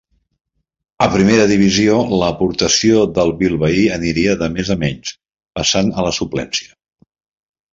A primera divisió, l'aportació del bilbaí aniria de més a menys, passant a la suplència.